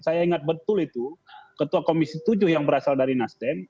saya ingat betul itu ketua komisi tujuh yang berasal dari nasdem